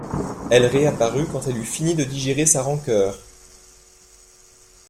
Elle réapparut quand elle eut fini de digérer sa rancœur.